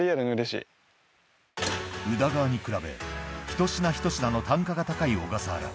宇田川に比べひと品ひと品の単価が高い小笠原